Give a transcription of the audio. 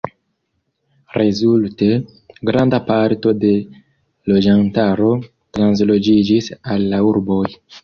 Rezulte, granda parto de loĝantaro transloĝiĝis al la urboj.